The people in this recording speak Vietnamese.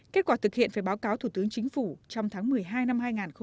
kết quả thực hiện phải báo cáo thủ tướng chính phủ trong tháng một mươi hai năm hai nghìn hai mươi